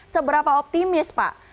seberapa optimis pak